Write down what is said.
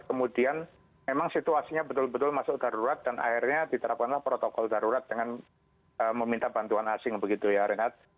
kemudian memang situasinya betul betul masuk darurat dan akhirnya diterapkanlah protokol darurat dengan meminta bantuan asing begitu ya renat